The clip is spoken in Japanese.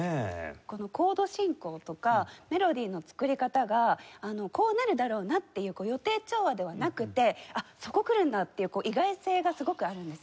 このコード進行とかメロディーの作り方がこうなるだろうなっていう予定調和ではなくて「あっそこくるんだ！」っていう意外性がすごくあるんですよ。